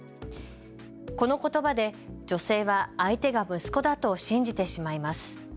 このことばで女性は相手が息子だと信じてしまいます。